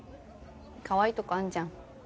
かわいいとこあんじゃん。